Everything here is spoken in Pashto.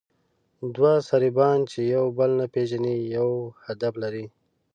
دوه صربیان، چې یو بل نه پېژني، یو هدف لري.